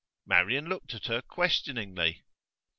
Marian looked at her questioningly.